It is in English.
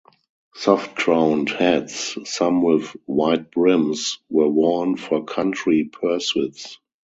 Soft-crowned hats, some with wide brims, were worn for country pursuits.